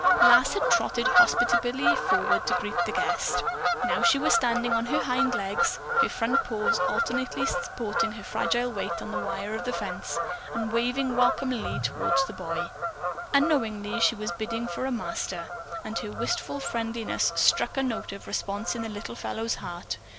Lass had trotted hospitably forward to greet the guest. Now she was standing on her hind legs, her front paws alternately supporting her fragile weight on the wire of the fence and waving welcomingly toward the boy. Unknowingly, she was bidding for a master. And her wistful friendliness struck a note of response in the little fellow's heart.